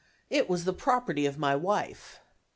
It was the property of my wife.